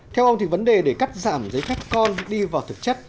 theo ông thì vấn đề để cắt giảm giấy phép con đi vào thực chất